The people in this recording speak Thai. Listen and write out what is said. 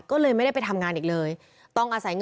ก็เลยไม่ได้ไปทำงานอีกเลย